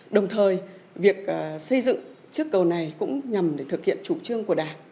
đồng thời việc xây dựng chiếc cầu này cũng nhằm để thực hiện chủ trương của đảng